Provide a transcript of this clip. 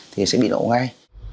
thì sẽ bị nổ ngay